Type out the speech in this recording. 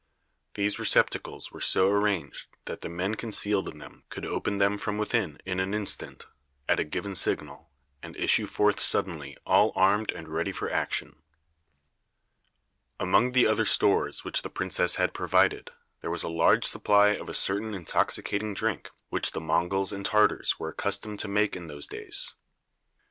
These receptacles were so arranged that the men concealed in them could open them from within in an instant, at a given signal, and issue forth suddenly all armed and ready for action. Among the other stores which the princess had provided, there was a large supply of a certain intoxicating drink which the Monguls and Tartars were accustomed to make in those days.